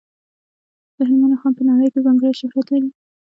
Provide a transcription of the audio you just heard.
د هلمند رخام په نړۍ کې ځانګړی شهرت لري.